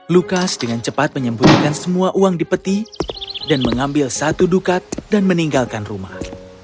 lukas dengan cepat menyembunyikan semua uang di peti dan mengambil satu dukat dan meninggalkan rumah